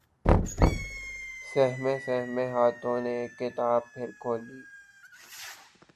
سہمے سہمے ہاتھوں نے اک کتاب پھر کھولی